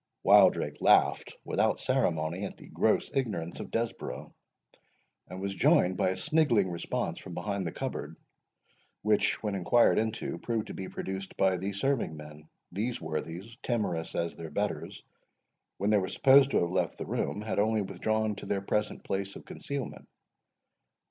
Wildrake laughed without ceremony at the gross ignorance of Desborough, and was joined by a sniggling response from behind the cupboard, which, when inquired into, proved to be produced by the serving men. These worthies, timorous as their betters, when they were supposed to have left the room, had only withdrawn to their present place of concealment.